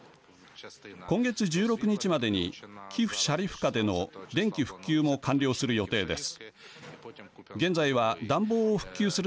今月１６日までにキフシャリフカでの電気復旧も完了する予定です。